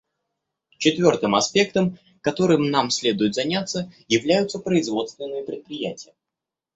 Четвертым аспектом, которым нам следует заняться, являются производственные предприятия.